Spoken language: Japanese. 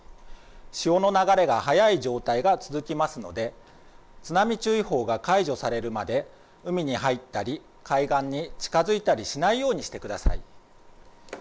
潮の流れが速い状態が続きますので津波注意報が解除されるまで海に入ったり、海岸に近づいたりしないようにしてください。